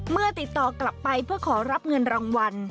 ติดต่อกลับไปเพื่อขอรับเงินรางวัล